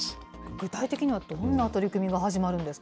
具体的にはどんな取り組みが始まるんですか？